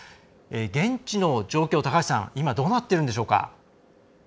現地の状況、今どうなっているんでしょうか。